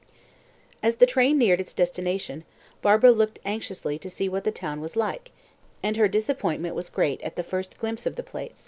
As the train neared its destination, Barbara looked anxiously to see what the town was like, and her disappointment was great at the first glimpse of the place.